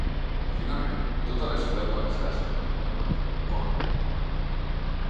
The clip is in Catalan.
Finalment, tota la ciutat va passar a ser coneguda com Cornwall.